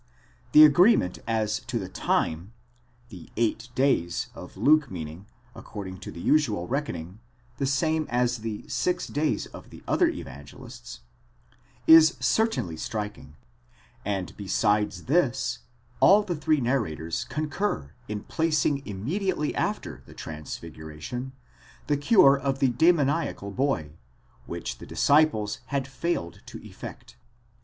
The agreement as to the time (the eight days ἡμέραι ὀκτὼ of Luke meaning, according to the usual reckoning, the same as the séx days ἡμέραι ἐξ of the other Evangelists) is certainly striking ; and besides this, all the three nar rators concur in placing immediately after the transfiguration the cure of the demoniacal boy, which the disciples had failed to effect.